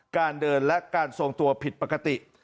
การเดินและการทรงตัวผิดปกติ